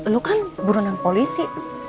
lo kan burunan polisi